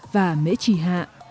và mễ trì hà